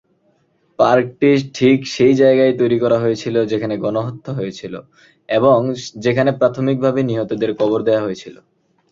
পার্কটি ঠিক সেই জায়গায় তৈরি করা হয়েছিল যেখানে গণহত্যা হয়েছিল এবং যেখানে প্রাথমিকভাবে নিহতদের কবর দেওয়া হয়েছিল।